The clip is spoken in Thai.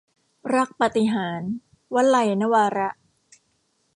รักปาฏิหาริย์ - วลัย นวาระ